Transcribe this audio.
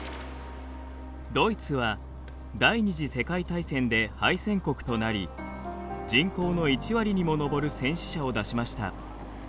ドイツは第２次世界大戦で敗戦国となり人口の１割にも上る戦死者を出しました。